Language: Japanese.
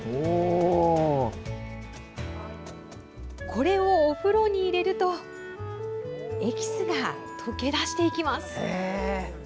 これをお風呂に入れるとエキスが溶け出していきます。